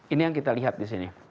ini yang kita lihat di sini